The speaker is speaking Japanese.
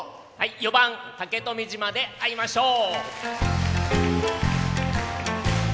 ４番「竹富島で会いましょう」。